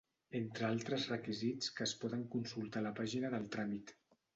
Entre altres requisits que es poden consultar a la pàgina del tràmit.